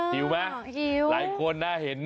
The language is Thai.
หิวไหมหิวหิวหิวหลายคนน่าเห็น